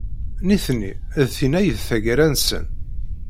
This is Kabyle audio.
Nitni, d tin ay d tagara-nsen.